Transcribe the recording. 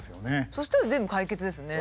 そしたら全部解決ですね。